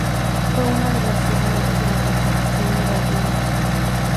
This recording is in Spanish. Fue uno de los firmantes de la Constitución de Bayona.